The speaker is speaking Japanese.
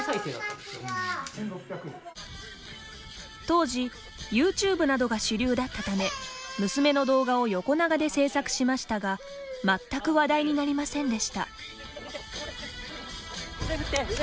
当時、ユーチューブなどが主流だったため娘の動画を横長で制作しましたが全く話題になりませんでした。